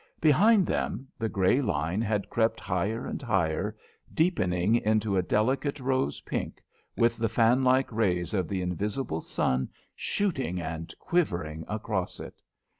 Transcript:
Behind them the grey line had crept higher and higher, deepening into a delicate rose pink, with the fan like rays of the invisible sun shooting and quivering across it.